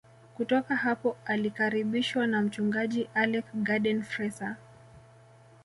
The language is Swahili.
Kutoka hapo alikaribishwa na mchungaji Alec Garden Fraser